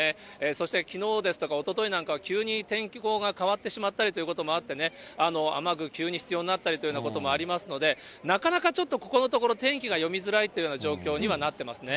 そしてきのう、おとといなんかは、急に天候が変わってしまったりということもあってね、雨具、急に必要になったりということもありますので、なかなかちょっとここのところ、天気が読みづらいという状況にはなってますね。